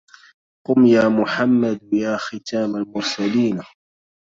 قم يا محمد يا ختام المرسلين